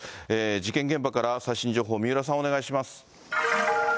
事件現場から最新情報、三浦さん、お願いします。